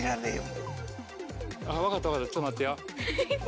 分かった分かったちょっと待ってや。